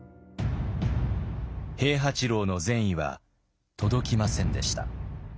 平八郎の善意は届きませんでした。